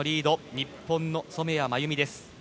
日本の染谷真有美です。